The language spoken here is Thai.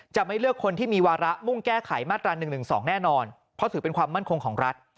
จะไม่เลือกคนที่มีวาระมุ่งแก้ไขมาตรา๑๑๒แน่นอนเพราะถือเป็นความมั่นคงของรัฐ